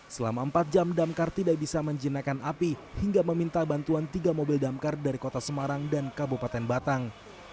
selama empat jam damkar tidak bisa menjinakkan api hingga meminta bantuan tiga mobil damkar dari kota semarang dan kabupaten batang